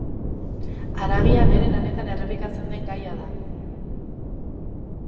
Haragia bere lanetan errepikatzen den gaia da.